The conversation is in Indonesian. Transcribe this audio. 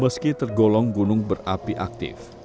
meski tergolong gunung berapi aktif